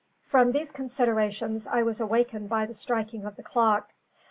From these considerations I was awakened by the striking of the clock.